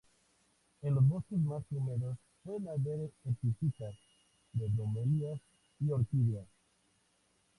En los bosques más húmedos puede haber epífitas de bromelias y orquídeas.